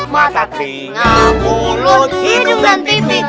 mata telinga mulut hidung dan tipi